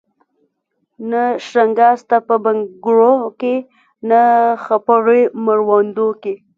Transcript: نه شرنګا سته په بنګړو کي نه خپړي مړوندو کي